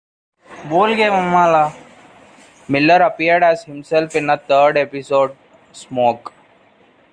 Miller appeared as himself in a third episode, "Smoke".